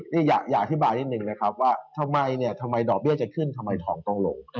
นี่อยากอธิบายนิดนึงนะครับว่าทำไมเนี่ยทำไมดอกเบี้ยจะขึ้นทำไมทองต้องลง